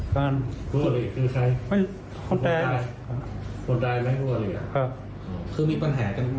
ครับมันลั่น